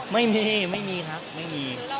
ไม่มีไม่มีครับไม่มี